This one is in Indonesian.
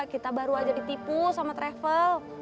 kita baru aja ditipu sama travel